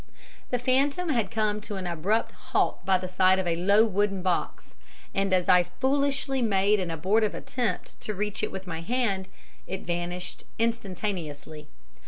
The phantom had come to an abrupt halt by the side of a low wooden box, and as I foolishly made an abortive attempt to reach it with my hand, it vanished instantaneously.